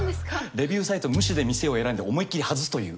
レビューサイト無視で店を選んで思いっ切り外すという。